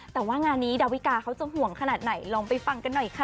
แต่ว่างานนี้ดาวิกาเขาจะห่วงขนาดไหนลองไปฟังกันหน่อยค่ะ